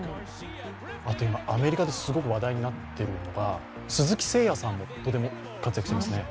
あと、アメリカですごく話題になっているのは鈴木誠也さんがとても活躍してますよね。